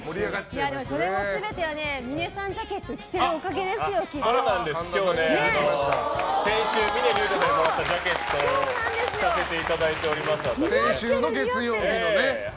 でもそれは全てはね峰さんジャケット着てる先週、峰竜太さんにもらったジャケットを着させていただいております。